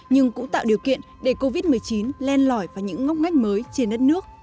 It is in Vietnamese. nhưng cũng tạo điều kiện để covid một mươi chín len lỏi vào những ngóc ngách mới trên đất nước